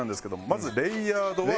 まず「レイヤード」は。